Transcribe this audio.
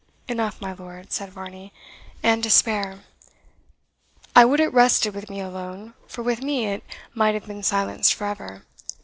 "Enough, my lord," said Varney, "and to spare. I would it rested with me alone, for with me it might have been silenced for ever.